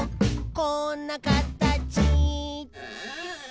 「こんなかたち」